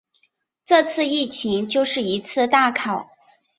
这次疫情就是一次大考